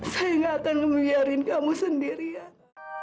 saya gak akan membiarin kamu sendirian